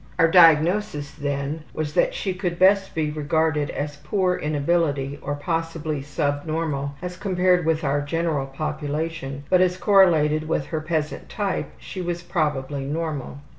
Our diagnosis, then, was that she could best be regarded as poor in ability or possibly subnormal as compared with our general population, but as correlated with her peasant type she was probably normal.